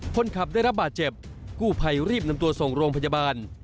คนขับได้รับบาดเจ็บกู้ภัยรีบนำตัวส่งโรงพยาบาล